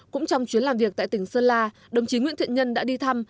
cũng trong chuyến làm việc tại tỉnh sơn la đồng chí nguyễn thiện nhân đã đi thăm